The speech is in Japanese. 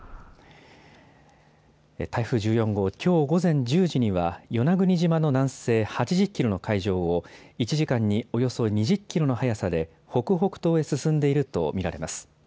台風１４号、きょう午前１０時には与那国島の南西８０キロの海上を１時間におよそ２０キロの速さで北北東へ進んでいると見られます。